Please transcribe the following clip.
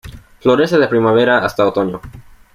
Florece de primavera hasta otoño.